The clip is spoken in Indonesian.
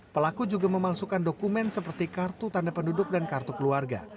pelaku juga memalsukan dokumen seperti kartu tanda penduduk dan kartu keluarga